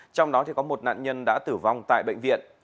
trong đó có một nạn nhân đã tử vong tại bệnh viện